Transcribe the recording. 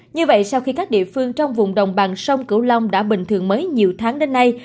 như vậy sau khi các địa phương trong vùng đồng bằng sông cửu long đã bình thường mới nhiều tháng đến nay